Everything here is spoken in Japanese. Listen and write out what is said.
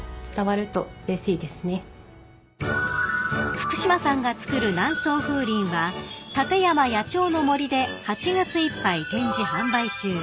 ［福島さんが作る南総風鈴は館山野鳥の森で８月いっぱい展示・販売中］